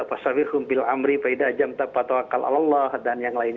pasarwihum bil amri payidah jamta patawakal allah dan yang lainnya